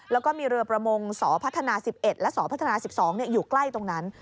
แล้วก็มีเรือประมงสพัฒนา๑๑และสพัฒนา๑๒อยู่ใกล้ตรงนั้น